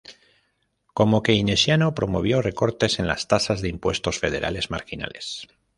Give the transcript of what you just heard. Como keynesiano, promovió recortes en las tasas de impuestos federales marginales.